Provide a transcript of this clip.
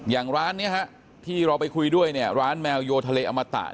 อย่างร้านนี้ที่เราไปคุยด้วยเนี่ยร้านแมวโยทะเลอมตะ